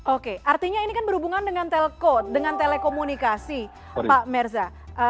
oke artinya ini kan berhubungan dengan telkot dengan telekomunikasi pak merza